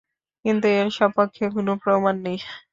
কিন্তু এর স্বপক্ষে কোন প্রমাণ নেই।